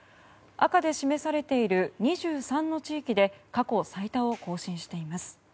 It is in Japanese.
赤で示されている２３の地域で過去最多を更新しています。